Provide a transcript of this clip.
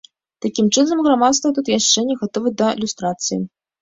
Такім чынам, грамадства тут яшчэ не гатова да люстрацыі.